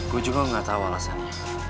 gue juga gak tahu alasannya